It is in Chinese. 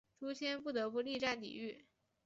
朱谦不得不力战抵御。